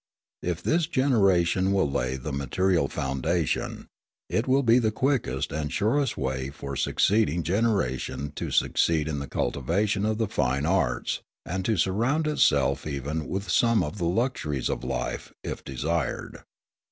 If this generation will lay the material foundation, it will be the quickest and surest way for the succeeding generation to succeed in the cultivation of the fine arts, and to surround itself even with some of the luxuries of life, if desired.